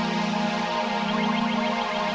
tidak ada yang lebih sakti dariku